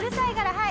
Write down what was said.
はい！